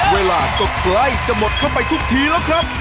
เวลาก็ใกล้จะหมดเข้าไปทุกทีแล้วครับ